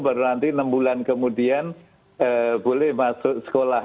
baru nanti enam bulan kemudian boleh masuk sekolah